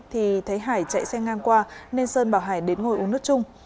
thì thấy hải chạy xe ngang qua nên sơn bảo hải đến ngồi uống nước chung